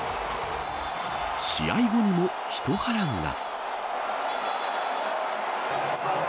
試合後にも、ひと波乱が。